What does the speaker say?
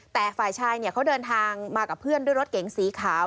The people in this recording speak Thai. แต่ฝ่ายชายเขาเดินทางมากับเพื่อนด้วยรถเก๋งสีขาว